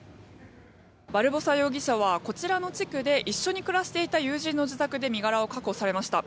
バルボサ容疑者はこちらの地区で一緒に暮らしていた友人の自宅で身柄を確保されました。